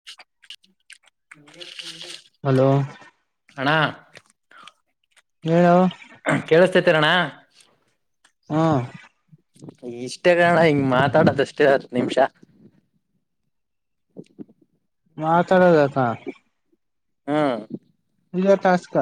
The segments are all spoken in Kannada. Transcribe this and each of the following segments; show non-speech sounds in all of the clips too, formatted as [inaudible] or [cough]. ಹ [inaudible] ಹಲೋ [unintelligible] ಅಣ್ಣ [unintelligible] ಹೇಳ ಕೇಳಿಸತೇತಿರಣ ಹ್ಮ ಇಷ್ಟೇ ಕಾರಣ ಹಿಂಗ್ ಮಾತಾಡದಷ್ಟೇ ಹತ್ತು ನಿಮಿಷ [inaudible] ಮಾತಾಡೋದಕ ಹಾ [unintelligible] ನಿಜಾ ಟಾಸ್ಕ್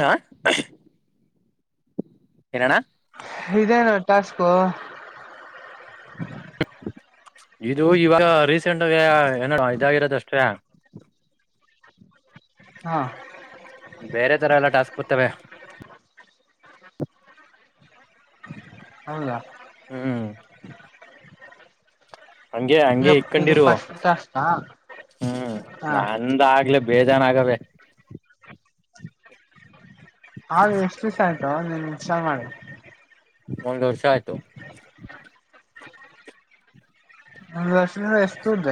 ಹಾ ಏನಣ್ಣ ಇದೇನೋ ಟಾಸ್ಕ್ ಇದು ಇವಾಗ ರೀಸೆಂಟ್ಗ ಏನಡ ಇದಾಗಿರದ ಅಷ್ಟೇ ಹಾ ಬೇರೆ ತರ ಎಲ್ಲಾ ಟಾಸ್ಕ್ ಬರ್ತವೆ ಹೌದಾ ಹ್ಮ್ [inaudible] ಹಗೆ ಹಂಗೆ ಇದು ಇದು ಇಕೊಂಡಿರು ಫಸ್ಟ್ ಟಾಸ್ಕಾ ಹ್ಮ್ ಹಾ ನಾ ಎಂದ ಆಗ್ಲೆ ಬೇಜಾರ ಆಗವೇ ಹ ಎಷ್ಟು ದಿವ್ ಆಯ್ತು ನೀನ್ ಚ ಮಾಡಿ ಒಂದಂದು ವರ್ಷ ಆಯ್ತು ನಸ ಎಷ್ಟು್ದ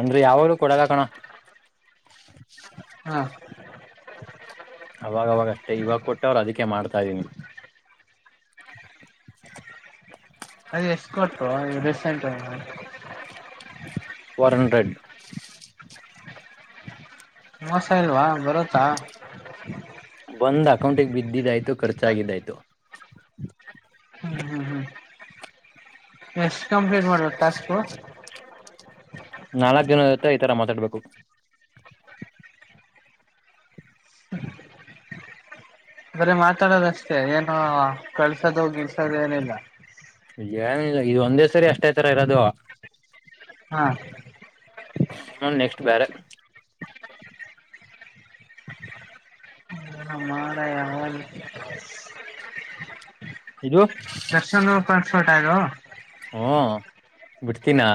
ಅಂದ್ರೆ ಯಾವಾಗಲೂ ಕೊಡಲಕಣೋ ಹಾ ಅವಾಗವಾಗ ಅಷ್ಟೇ ಇವಾಗ ಕೊಟ್ಟ ಅವರು ಅದಕ್ಕೆ ಮಾಡ್ತಾ ಇದೀನಿ ಅದ ಎಷ್ಟು ಕೊಟ್ಟು ರೇಸೆಂಟ್ [unintelligible] ಫೋರ್ಹಂಡ್ರೆಡ್ [unintelligible] ಮೋಸ ಇಲ್ವಾ ಬರತ್ತಾ [unintelligible] ಬಂದ್ ಅಕೌಂಟಿಗೆ ಬಿದ್ದಿದ್ದಾಯ್ತು ಖರ್ಚಾಗಿದ್ದಾಯ್ತು ಹ್ಮ್ ಹ್ಮ್ ಹ್ಮ್ ಎಷ್ಟು ಕಂಪ್ಲೀಂಟ್ ಮಾಡಬೇಕು ಟಾಸ್ಕು ನಾಲ್ಕು ಜನ ಹತ್ರ ಈ ತರ ಮಾತಾಡ್ಬೇಕು ಬರ ಮಾತಾಡದಷ್ಟೇ ಏನ ಕಳ್ಸೋದು ಗಿಲ್ಸೋದು ಏನಿಲ್ಲ ನ್ ಇದು ಒಂದೇ ಸರಿ ಅಷ್ಟೇ ತರ ಇರೋದು ಹಾ [unintelligible] ಹ್ಮ ನೆಕ್ಸ್ಟ್ ಬೇರೆ ಹಾರ ಯಾಲ [unintelligible] ಇದು ಫೋಟೋ ಇದು ಹ್ಮ್ ಬಿಡ್ತೀನಾ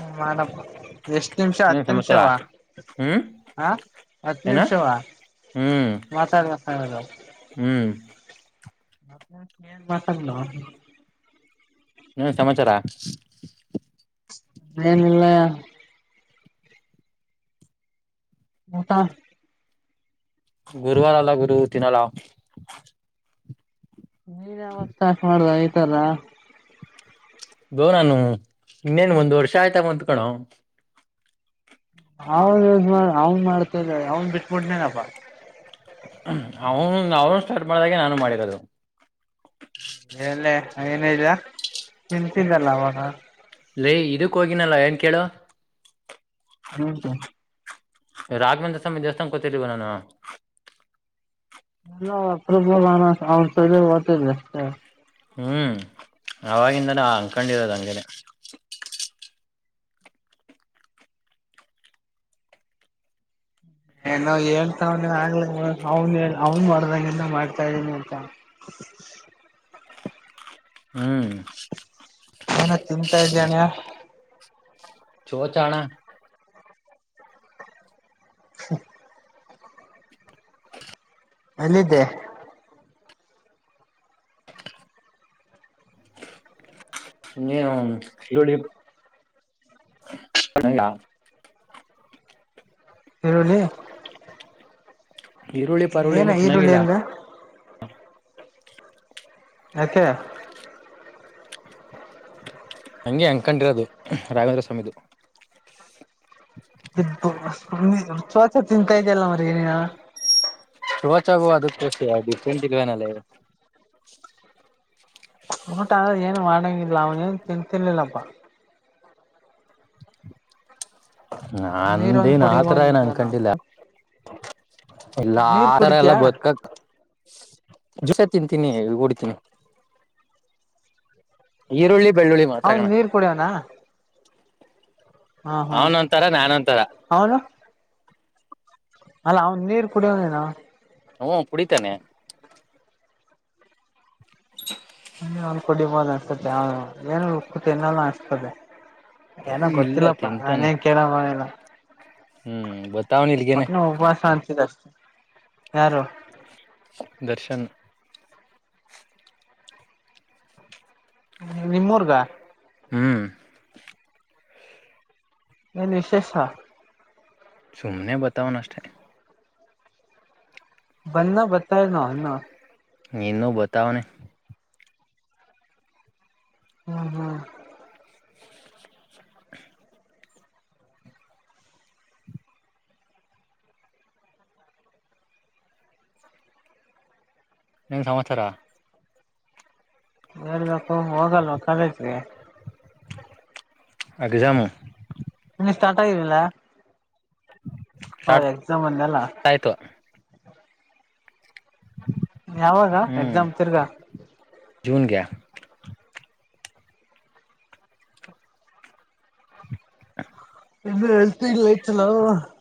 ಹ ಮಾಡಪ್ಪ ಎಷ್ಟ್ ನಿಮಿಷ ಏನ್ ಹತ್ತು ಸಮಾಚಾರ ನಿಮಿಷವಾ ಹ್ಮ್ ಹಾ ಹತ್ತು ಏನ ನಿಮಿಷವಾ ಹ್ಮ್ ಮಾತಾಡ ಮಾತಾಡ ಹ್ಮ್ ಏನ್ ಬಟ್ಟಲೊ [unintelligible] ಏನು ಸಮಾಚಾರ? ಏನಿಲ್ಲ ಊಟಾ? ಗುರುವಾರ ಅಲ್ಲ ಗುರು ತಿನ್ನಲ್ಲ ನೀನ್ ಯಾವಾಗ ಸ್ಟಾರ್ಟ್ ಮಾಡ್ದ ಆ ಇತರ ಗೋ ನಾನು ಇನ್ನೇನ್ ಒಂದ್ ವರ್ಷ ಆಯ್ತಾ ಬಂತ್ಕಣೋ ಹೌದ ಅವನ್ ಮಾಡ್ತದ ಅವನ್ ಬಿಟ್ಬಿಟ್ಟನೇನಪ್ಪ ಅವನು ಅವನು ಸ್ಟಾರ್ಟ್ ಮಾಡಿದಾಗೆ ನಾನು ಮಾಡಿರೋದು ಹೇಳೆ ಏನ ಇದಿಯ ತಿಂತಿದ್ದಲ್ಲ ಅವಗ ಲೇ ಇದಕ್ಕೆ ಹೋಗಿನಲ್ಲ ಏನು ಕೇಳು ಹ್ಮ ಹ್ಮ್ ರಾಘವೇಂದ್ರ ಸ್ವಾಮಿ ದೇವಸ್ಥಾನ ಕೂತಿದೀವಲ ನಾನು ನ ಪ್ರಬಲ್ನ ಅವ ಸ ಹೊತ ಜಸ್ತ [unintelligible] ಹ್ಮ್ ಅವವಾಗಿಂದನೇ ಅಂಕೊಂಡಿರೋದ ಹಂಗೆನೆ ಏನೊ ಹೇಳ್ತಾವ್ನೆ ನೀ ಆಗ್ಲ ಅವ ಅವ್ನ್ ಮಾಡ್ದಗಿಂಧಾ ಮಾಡ್ತಾ ಇದ್ದೀನಿ ಆ ಹ [inaudible] ಹ್ಮ್ ಏನ ತಿಂತಾ ಇದ್ದಾನ ಚೋ ಚಾ ಣ ಹ್ಮ ಎಲ್ಲಿದೆ? ನೀ ಇ. [inaudible] [inaudible] ಈರುಳ್ಳಿ ಏನ ಪರುಳನು ಈರುಳ್ಳಿ ತಿನ್ನಂಗಿಲ್ಲ? ಅಂದ ಯಾಕೆ? ಹಂಗೆ ಅಂಗಕೊಂಡಿರೋದು ರಾಘವೇಂದ್ರ ಸ್ವಾಮಿದು. ಶ್ವಾಸ ತಿಂತಾ ಇದಲ್ಲ ಮರಿ ಏನಿನ. ಶೋಚಾಗು ಅದಕ್ಕಷ್ಟ ಫೆಂಟ್ [inaudible] ಇಲ್ವೇನಲ್ಲೇ ಊಟ ಆದ್ರ ಏನು ಮಾಡಂಗಿಲ್ಲ ಅವನ ಏನ್ ತಿನ್ ತಿನ್ಲಿಲ್ಲಪ್ಪಾ. ನೀರೊಂದ ನಂದೇನ ಆತರ ಏನು ಕುಡಿಬೋದಿದ್ದಾನ ಅನ್ಕೊಂಡಿಲ. ಇಲ್ಲ ನೀರ್ ಆತರ ಎಲ್ಲ ಕುಡಿತಯಾ ಬದಕಕ ದಿವಸ ತಿಂತೀನಿ ಓಡತೀನಿ. ಈರುಳ್ಳಿ ಬೆಳ್ಳುಳ್ಳಿ ಮಾತ್ರ ಕಣ. ಪುಡೋನಾ [inaudible] ಹಾ ಅವನ್ ಒಂತಾರ ನಾನ್ ಒಂತರ ಅವನು ಅಲ್ಲ ಅವನ್ ನೀರ್ ಕುಡಿಯೋನೇನೊ ಹ್ಮ್ ಕುಡಿತಾನೆ [unintelligible] ಅವ್ನ್ ಕೊಡಿಬೋದ ಅನ್ದೆ ಏನುಕ್ಕತನ್ನಲ್ಲ ಅನ್ಸ್ತದೆ [unintelligible] ಏನ ಇಲ್ಲ ಗೊತ್ತಿಲ್ಲಪ್ಪಾ ತಿಂತಾನೆ ನನನ್ [unintelligible] ಕೇಳಿಲ್ಲ ಹ್ಮ್ ಬತಾವನ ಇಲ್ಗೇನೆ ಮತ್ತ ಉಪಾಸ ಶಂತ ಜಷ್ಟತಿ ಯಾರು [inaudible] ದರ್ಶನ್ ನಿಮ್ರ್ಗ ಹ್ಮ್ ಏನ್ ವಿಶೇಷ ಸುಮನೆ ಬತವ ನಷ್ಟೆ ಬನ್ನ ಬರ್ತಾ ಇನ ಅನ್ನ ನಿನುೂ ಬತವನೆ ಹ್ಮ್ ಹ್ಮ್ [inaudible] ನಿಮ್ಮ್ ಸಮಾಚಾರ. ಹಳ್ಬೇಕು ಹೋಗಲ್ವ ಕಾಲೇಜಗೆ ಅ ಜಾಮ [inaudible] ಹಿನ್ ಸ್ಟಾರ್ಟ್ ಆಗಿರಲಿಲ್ಲ ಹ ಸ್ಟಾರ್ಟ್ ಎಕ್ಸಾಮ್ ಅಂದೆಲ್ಲ ಆಯ್ತು ಯಾವಾಗ ಹ್ಮ್ ಎಕ್ಸಾಮ್ ತಿರ್ಗಾ ಜೂನ್ಗೆ ಇದು ಹೇಳ್ತ ಇಲ್ಲ ಚಲ [unintelligible]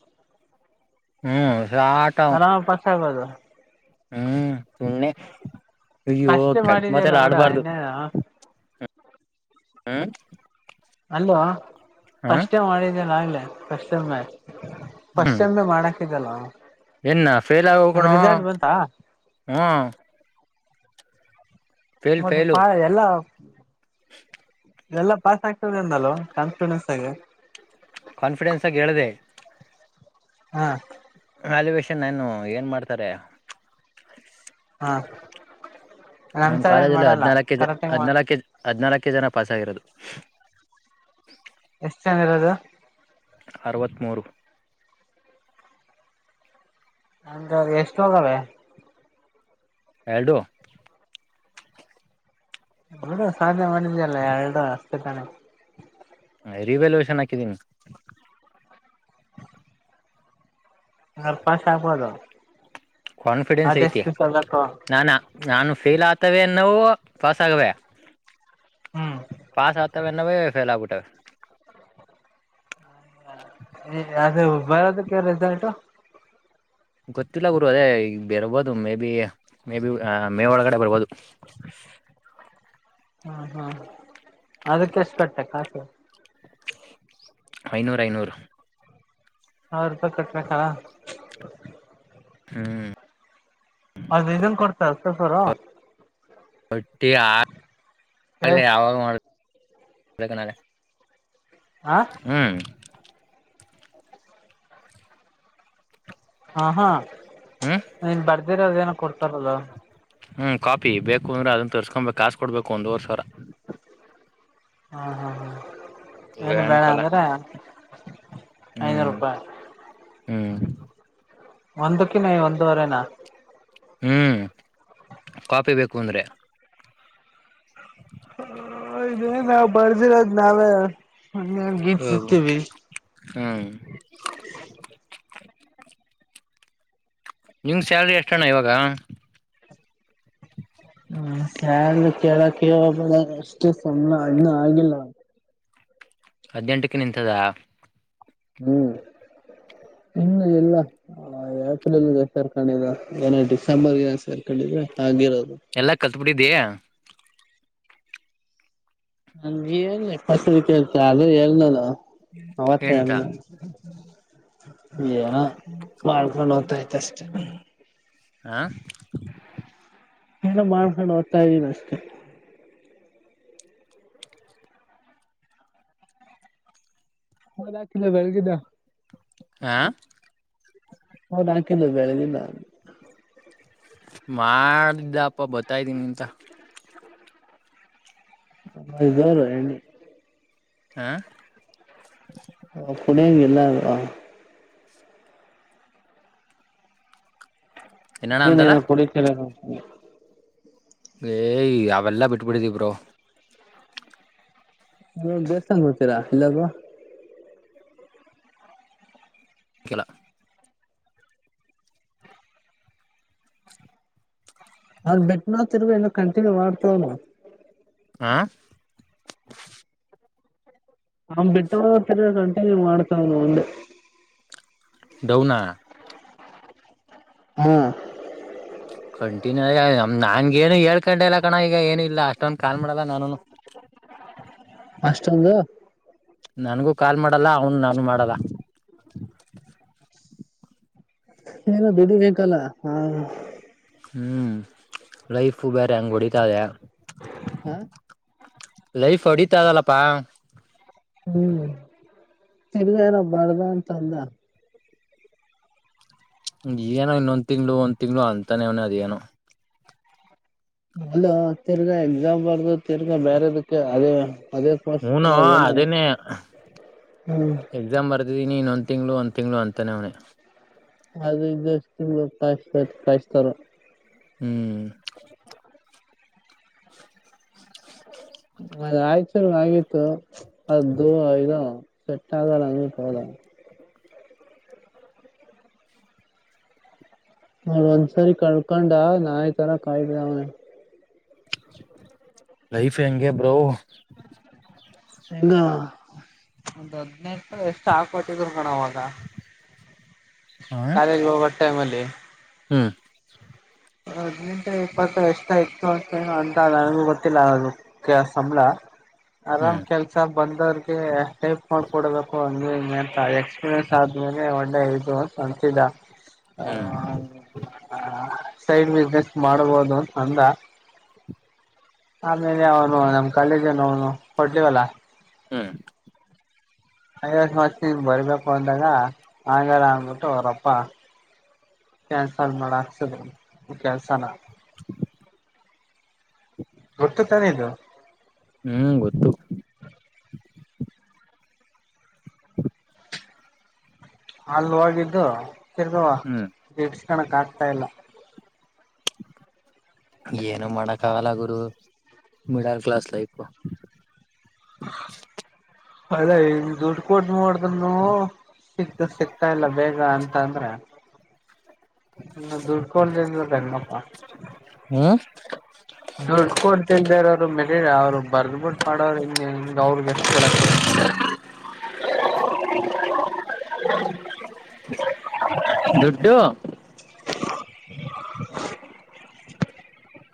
ಹ್ಮ್ ಸಾಟ್ ಆರಾಮ ಪಸಾಗದು ಹ್ಮ್ ಸುಣ್ನೆ ಅಯ್ಯೋ ಫಸ್ಟೇ ಕೆಟ್ಟ ಮತ್ತ ಮಾಡಿದ್ಯಲ್ಲ ಎಲ್ಲ ಬಿಡ ಆಡ್ಬಾರ್ದು ಇನ್ನೇನು ಹಾಂ ಅಲ್ಲೋ ಹ ಫಸ್ಟ್ ಟೈಮ್ ಮಾಡಿದಲ್ಲ ಆಗ್ಲೆ ಫಸ್ಟ್ ಟಮ್ಮ ಫಸ್ಟ್ ಟಮೆ ಮಾಡಕ್ ಲ್ಲ. ಎನ್ನ ಫೇಲ್ ಆಗವ್ ಕಣೋ ಹ್ಮ್. ಫೇಲ್ ಮತ್ತೆ ಫೇಲು ಪಳ ಎಲ್ಲ. ಎಲ್ಲ ಪಾಸ್ ಆಗ್ತದೆ ಅಂದಲ್ವಾ ಕಾನ್ಫಿಡೆನ್ಸ್ ಆಗ. ಕಾನ್ಫಿಡೆನ್ಸ ಆಾಗಿ ಹೇಳಿದೆ. ಹ್ಮ. ವಲ್ಯುವೇಷನ್ ಏನ್ ಮಾಡ್ತಾರೆ. ಹಾ. ನಮ್ ನಮ್ಮ್ ಸರ್ ಏನ್ ಕಾಲೇಜಲ್ಲಿ ಮಾಡಲ್ಲ ಹದ್ನಾಲ್ಕ ಕರೆಕ್ಟಾಗಿ ಹದ್ನಾಲ್ಕ ಹದ್ನಾಲ್ಕ ಜನ ಪಾಸಸ್ ಆಗಿರೋದು. ಎಷ್ಟು ಜನ ಇರೋದು. ಅರವತ್ತ್ಮೂರು. ಅಂದ್ರೆ ಅವು ಎಷ್ಟು ಹೋಗವೇ. ಎಲ್ಡು. ಬಿಡು ಸಾದ್ನೇ ಮಾಡಿದೀಯಲ್ಲ ಎಲ್ಡು ಅಷ್ಟೇ ತಾನೆ. ರೀವಾಲವೇಷನ್ ಹಾಕಿದ್ದೀನಿ. ಹಂಗಾರೆ ಫಾಸ್ಟ್ ಆಗಬೋದು. ಕಾನ್ಫಿಡೆನ್ಸ್ ಐತಿ ಬೇಕು ನಾನಾ. ನಾನು ಫೇಲ್ ಆಗ್ತವೆ ನಾವು ಪಾಸ್ ಆಗವೆ ಹ್ಮ್ ಪಾಸ್ ಆಗ್ತವೆ ನವೆಫಲ್ ಆಗಊಟವೆ ಅದ ಬರೋದಕ್ಕೆ ರಿಸಲ್ಟ್ ಗೊತ್ತಿಲ್ಲ ಗುರು ಅದೇ ಈ ಬರ್ಬೋದು maybe maybe May ಒಳಗಡೆ ಬರ್ಬೋದು ಹ್ಮ ಹ್ಮ ಅದಕ್ಕೆಷ್ಟು ಕಟ್ಟೆ ಕಾಸು ಐನೂರ ಐನೂರು ಹೌ ರೂಪಾಯ ಕಟ್ಟ್ರಕ ಹ್ಮ್ ಅದ ಇದನ್ ಕೊಡ್ತ ಸಸರ ಒಟ್ಟಿ ಆ ಕೇಳ್ ಯಾವಾಗ ಹಾ ಹ್ ಹಾ ಹಾ ಹ್ಮ್ ನೀನ್ ಬರ್ದಿರ ಅದೇನೋ ಕೊಡ್ತಾರಲ್ಲ ಹ್ಮ್ ಕಾಪಿ ಬೇಕುಂದ್ರೆ ಅದನ್ನ ತರ್ಕೊಬೇಕು ಕಾಸ್ ಕೊಡ್ಬೇಕು ಒಂದುವವರ್ ಸಾವರ ಹಾ ಹಾ ಹ್ಮ ಏನು ವ್ಯಾನ್ ಬೇೇಳ ಕಾಲ ಅಂದ್ರೆ ಐನೂರು ರೂಪಾಯಿ ಹ್ಮ ಒಂದುಕ್ಕೆ ನ ಒಂದುವರೆನಾ [unintelligible] ಹ್ಮ್ ಕಾಫಿ ಬೇಕು ಅಂದ್ರೆ [unintelligible] ಇ ನಾವ್ ಬರ್ದಿರೋದ್ ನಾವೇನ್ ಗೀತ ಸಿತೀವಿ [unintelligible] ಹ್ಮ [unintelligible] ಹ ನಿಂಗೆ ಸ್ಯಾಲ್ರಿ ಎಷ್ಟೋಣ್ಣ ಇವಾಗ ಹ್ಮ ಸಾರ ಕೇಳಕ್ಬಳ ಅಷ್ಟು ಸುನೆ ಅದನ್ನ ಆಗಿಲ್ಲ ಹದಿನೆಂಟಕ್ಕೆ ನಿಂತದಾ ಹ್ಮ್ ಇನ್ನು ಎಲ್ಲಾ ಏಪ್ರಿಲ್ಗೆ ಸರ್ಕೊಂಡಿದ ಏನ ಡಿಸೆಂಬರ್ ಸೇರ್ಕೊಂಡಿದ್ರೆ ಹಗಿರೋದು ಎಲ್ಲ ಕಲ್ತ್ ಬಿಟ್ಟಿದೀಯಾ ನಂಗೆ ನ್ ಕಸ ಕೇಳ್ತ ಅದು ಎಲ್ನ ಅವತ್ತ ಎಂತ ಅಲ್ಲ ಏನ ಮಾಡ್ಕೊಂಡು ಹೋಗ್ತಾಯ್ತ ಅಷ್ಟೇ ಆ ಏನ ಮಾಡ್ಕೊಂಡು ಒತ್ತ ಇದ್ದೀನ ಅಷ್ಟೇ ಹದಾಕಿದ್ದ ಬೆಳಗಿದ್ದ ಆ ಹೌದು ನಾಕಂದ ಬೆಳ ಇಲ್ಲ ಮಾಡಿದ್ದಪ್ಪ ಬತ್ತಾಯ್ದೀನಿ ಎಂತ [unintelligible] ಅವರು ಎ್ಣ [unintelligible] ಹಾ [unintelligible] ಕುಡಿಯಂಗ ಎಲ್ಲ [unintelligible] ಏನಣ ಅಂತಲ್ಲ ಹ [unintelligible] ಏಯ್ ಅವೆಲ್ಲಾ ಬಿಟ್ಬಿಡಿದಿಬ್ರೋ [unintelligible] ನೀ ಬೇಸ್ ತಂಗ್ ಹೋಡ್ತೀರಾ ಇಲ್ಲಾಗ [unintelligible] ಕೆಲ [unintelligible] ಅ ಬೆಟ್ಟಟ್ ನೋತಿರ್ವಿ ಇನ್ನು ಕಂಟಿನ್ಯೂ ಮಾಡ್ತಾವವು [unintelligible] ಆ [unintelligible] ನ್ ಬಿಟ್ಟವ ಕಂಟಿನ್ಯೂ ಮಾಡ್ತಾವವ ಒಂದು [unintelligible] ದೌನಾ [unintelligible] ಹ್ಮ [unintelligible] ಕಂಟಿನ್ಯೂ ಆ ನನ್ಗ ಏನು ಹೇಳ್ಕೊಂಡೆ ಎಲ್ಲ ಕಣ ಈಗ ಏನು ಇಲ್ಲ ಅಷ್ಟೊಂದು ಕಾಲ್ ಮಾಡೋಲ್ಲ ನಾನೂನು [unintelligible] ಅಷ್ಟೊಂದು ನನಗೂ ಕಾಲ್ ಮಾಡಲ್ಲ ಅವನು ನಾನು ಕಾಲ್ ಮಾಡಲ್ಲ ಲ್ಲ ಬಿದುಡಿ ಬೇಕಲ್ಲ ಹ ಹ್ಮ್ ಲೈಫು ಬೇರೆ ಹೆಂಗ ಹೊಡಿತದೆ ಹಾ? ಲೈಫು ಹೊಡಿತೈತಲ್ಲಪ್ಪ ಹ್ಮ್ ತಿರ್ಗ ಏನ ಬರಲ್ಲ ಅಂತ ಅಂದ ಏನೋ ಒಂದು ತಿಂಗಳು ಒಂದು ತಿಂಗಳು ಅಂತರ ನಾವು ಏನು ಅಲ್ಲ ತಿರ್ಗಾ ಎಕ್ಸಾಪರ್ದು ತಿರ್ಗಾ ಬೇರೆದಕ್ಕೆ ಅದೇ ಅದೇ ಕೋರ್ಸ್ ಹನು ಏನು ಅದನೇ ಹ್ಮ್ ಎಕ್ಸಾಮ್ ಬರ್ದಿದ್ದೀನಿನೀನು ಒಂದು ತಿಂಗಳು ಒಂದು ತಿಂಗಳು ಅಂತಾನೇ ಅವನೇ ಅದಷ್ಟ ಕಾಯ ಕಾಯಸ್ತಾರ ಹ್ಮ್ [unintelligible] ಮೆ ಆಯ್ಚರು ಆಗಿತ್ತು ಅದ್ದು ಇದು ಸೆಟ್ ಆಗಲ್ಲ ಅಂದ್ ಹೋದ ಹಂಸಲೇ ಕಳೆದುಕೊಂಡ ನಾಯಕರ ಕಾಯ್ತಾ ಅವ್ನೆ ಲೈಫ್ ಹೆಂಗೆ ಬ್ರೋ ಹೆಂಗ ಒಂದ್ ಹದ್ನೈದು ಎಷ್ಟು ಹಾಲು ಕೊಟ್ಟಿದ್ರು ಕಣೋ ಅವಾಗ ಹ ಕಾಲೇಜ್ ಹೋಗುವ ಟೈಮ್ ಅಲ್ಲಿ ಹ್ಮ್ [unintelligible] ಹದ್ನೆಂಟ ಇಪ್ಪತ್ತು ಎಷಅಂತ ಎಷ್ಟು ಅಂದ ನನಗೆ ಗೊತ್ತಿಲ್ಲ ಕಣೋ ಹ್ಮ್ ಕೆಲಸ ಬಂದೋರ್ಗೆ ಟೈಪ್ ಮಾಡಿಕೊಳ್ಳುವುದಪ್ಪ ಎಕ್ಸ್ಪೀರಿಯನ್ಸ್ ಆದಮೇಲೆ ಒಳ್ಳೆಯದು ಹ್ಮ್ ಹ್ಯಾಪಿನೆಸ್ ಮಾಡಬಹುದಾ ಅಂತ ಅಂದ ಆಮೇಲೆ ಅವನು ನಮ್ ಕಾಲೇಜನು ಅವನು ಕೊಡ್ಲಿವಲ್ಲ ಹ್ಮ್ ಐವತ್ತು ವರ್ ನಿನ್ ಬರ್ಬೇಕು ಅಂದಾಗ ಆಂಗಲ್ಲ ಅಂದ್ಬಿಟ್ಟು ಅವ್ರಪ್ಪ ಕ್ಯಾನ್ಸಲ್ ಮಾಡ ಹಕ್ಸದೆ ಕೆಲ್ಸ [unintelligible] ಗೊತ್ತ ತಾನ ಇದು ಹ್ಮ್ ಗೊತ್ತು ಅಲ್ ಹೋಗಿದ್ದು ತಿರ್ದವ ಹ್ಮ್ ದಿಡ್ಸ್ ಕಣಕ್ ಆಗ್ತಾ ಇಲ್ಲ ಏನು ಮಾಡಕಲ್ಲ ಗುರು ಮಿಡಲ್ ಕ್ಲಾಸ್ ಲೈಫು ಅಲ್ಲ ಇನ್ ದುಡ್ಡು ಕೊಟ್ಟ ಮಾಡೋದ ನವು ಸಿಗ್ತು ಸಿಗ್ತಾ ಇಲ್ಲ ಬೇಗ ಅಂತ ಅಂದ್ರ ಇ ದುಡ್ಕೊಂಡಿಂದ ಸಂಗಪ್ಪ ಹ್ಮ ದುಡ್ಡು ಕೊಡ್ತಿಲ್ದ ಅವರು ಮಲೆ ಅವ್ರು ಬರ್ದ ಬಿಟ್ಟು ಮಾಡೋ ಹಿಂಗ ಹಿಂಗ ಅವ್ರಗ್ ಎಷ್ಟು ಕೊಳ ಕೊಡ್ಬೇಕ [inaudible] ದುಡ್ಡುು [inaudible]